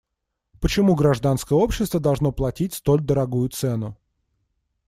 Почему гражданское общество должно платить столь дорогую цену?